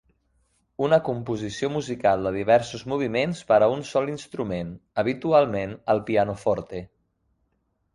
Una composició musical de diversos moviments per a un sol instrument (habitualment el pianoforte),